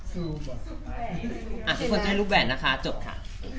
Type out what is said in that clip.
ทุกคนจะได้รูปแหวนนะคะจบค่ะ